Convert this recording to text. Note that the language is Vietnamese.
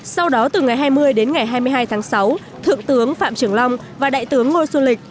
sau đó từ ngày hai mươi đến ngày hai mươi hai tháng sáu thượng tướng phạm trưởng long và đại tướng ngô xuân lịch